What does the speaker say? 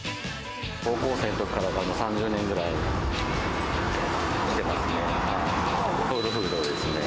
高校生のときから、３０年ぐらい来てますね。